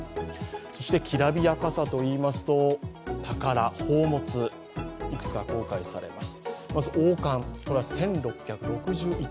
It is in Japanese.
そしてきらびやかさといいますと宝、宝物、いくつか公開されます。